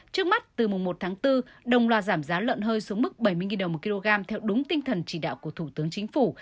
trước mắt từ mùng một tháng bốn đồng loa giảm giá lợn hơi xuống mức bảy mươi đồng một kg theo đúng tinh thần chỉ đạo của thủ tướng chính phủ